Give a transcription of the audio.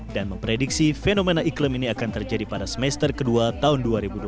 dan memprediksi fenomena iklim ini akan terjadi pada semester ke dua tahun dua ribu dua puluh tiga